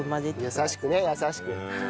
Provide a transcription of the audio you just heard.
優しくね優しく。